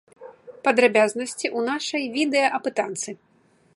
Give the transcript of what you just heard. Падрабязнасці ў нашай відэаапытанцы!